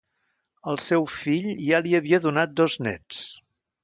El seu fill ja li havia donat dos néts.